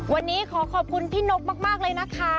วันนี้ขอขอบคุณพี่นกมากเลยนะคะ